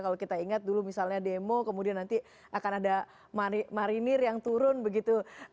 kalau kita ingat dulu misalnya demo kemudian nanti akan ada marinir yang turun begitu